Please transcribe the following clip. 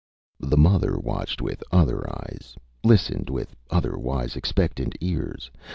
The mother watched with other eyes; listened with otherwise expectant ears.